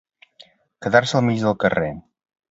Quedar-se al mig del carrer.